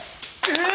え！